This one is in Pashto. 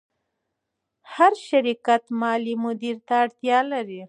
هر شرکت مالي مدیر ته اړتیا لري.